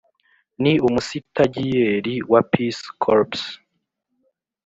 ni umusitagiyeri wa peace corps.